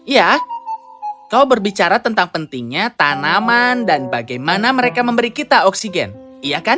ya kau berbicara tentang pentingnya tanaman dan bagaimana mereka memberi kita oksigen iya kan